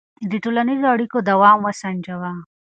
د ټولنیزو اړیکو دوام وسنجوه.